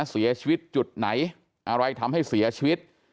เสียชีวิตจุดไหนอะไรทำให้เสียชีวิต